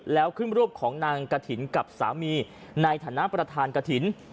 แล้วขึ้นรูปของนางกฐินกับสามีในฐานะประธานกฐิน